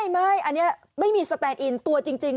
ไม่อันนี้ไม่มีสแตนอินตัวจริง